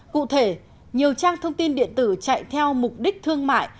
cụ thể nhiều trang thông tin điện tử chạy theo mục đích thương mại